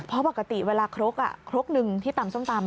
เพราะปกติเวลาครกครกหนึ่งที่ตำส้มตำ